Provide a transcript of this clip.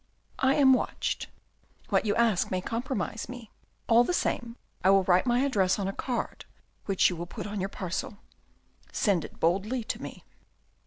" I am watched. What you ask may compromise me. All the same, I will write my address on a card, which you will put on your parcel. Send it boldly to me."